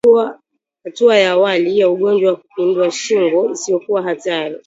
Hatua ya awali ya ugonjwa wa kupinda shingo isiyokuwa hatari